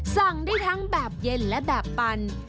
สั่งได้ทั้งแบบเย็นและแบบปัน